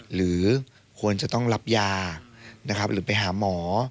หรือควรจะต้องรับยาหรือไปหาหมอ